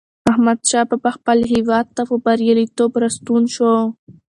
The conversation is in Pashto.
احمدشاه بابا خپل هېواد ته په بریالیتوب راستون شو.